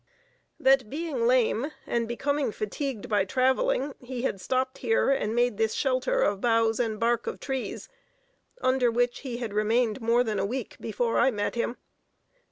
That being lame, and becoming fatigued by traveling, he had stopped here and made this shelter of boughs and bark of trees, under which he had remained more than a week before I met him.